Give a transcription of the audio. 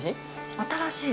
新しい。